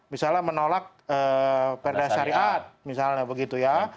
misalnya menolak perda syariat misalnya begitu ya